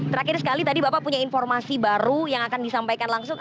terakhir sekali tadi bapak punya informasi baru yang akan disampaikan langsung